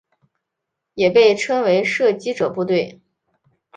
也被称为射击者部队。